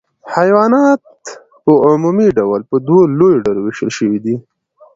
حیوانات په عمومي ډول په دوو لویو ډلو ویشل شوي دي